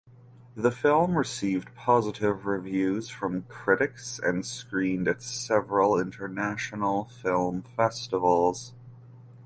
The film received positive reviews from critics and screened at several international film festivals.